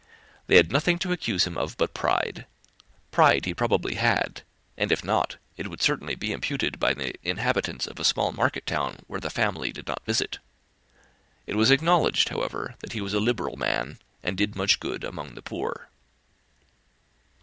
They had nothing to accuse him of but pride; pride he probably had, and if not, it would certainly be imputed by the inhabitants of a small market town where the family did not visit. It was acknowledged, however, that he was a liberal man, and did much good among the poor.